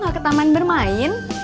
gak ke taman bermain